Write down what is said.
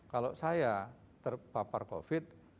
kalau saya terpapar covid